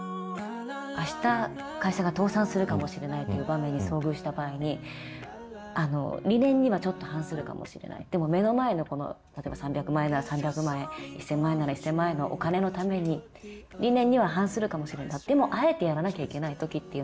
明日会社が倒産するかもしれないという場面に遭遇した場合に理念にはちょっと反するかもしれないでも目の前の例えば３００万円なら３００万円１，０００万円なら１，０００万円のお金のために理念には反するかもしれないでもあえてやらなきゃいけない時っていうのは。